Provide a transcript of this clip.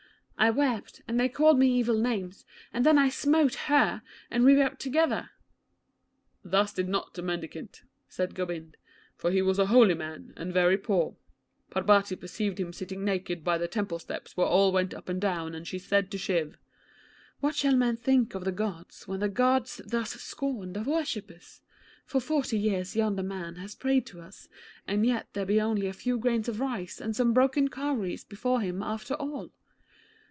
'I wept, and they called me evil names, and then I smote her, and we wept together.' 'Thus did not the mendicant,' said Gobind; 'for he was a holy man, and very poor. Parbati perceived him sitting naked by the temple steps where all went up and down, and she said to Shiv, "What shall men think of the Gods when the Gods thus scorn the worshippers? For forty years yonder man has prayed to us, and yet there be only a few grains of rice and some broken cowries before him after all.